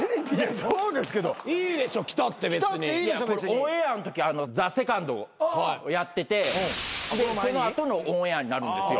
オンエアのときＴＨＥＳＥＣＯＮＤをやっててその後のオンエアになるんですよ。